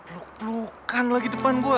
peluk pelukan lagi depan gue